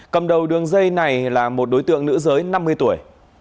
cầm đầu đường dây này là một đối tượng nữ giới năm mươi tuổi